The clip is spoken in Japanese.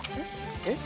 えっ？